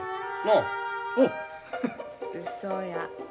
うそや。